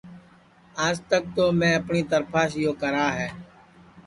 آج تک تو میں اپٹؔی ترپھاس یو کرا ہے